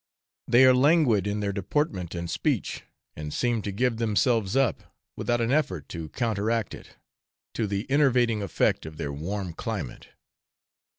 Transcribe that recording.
They are languid in their deportment and speech, and seem to give themselves up, without an effort to counteract it, to the enervating effect of their warm climate.